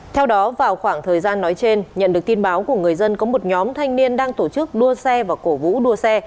theo đó vào khoảng thời gian nói trên nhận được tin báo của người dân có một nhóm thanh niên đang tổ chức đua xe và cổ vũ đua xe